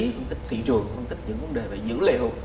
phân tích thị trường phân tích những vấn đề về dữ liệu